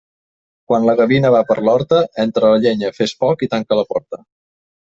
Quan la gavina va per l'horta, entra la llenya, fes foc i tanca la porta.